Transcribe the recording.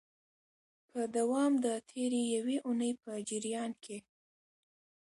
په دوام د تیري یوې اونۍ په جریان کي